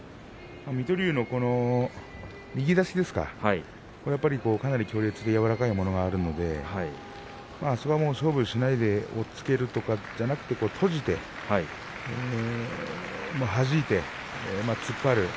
水戸龍の右差しですかやはりかなり強烈でやわらかいものがあるのでそのまま勝負しないで押っつけるのではなくて閉じてはじいて突っ張る。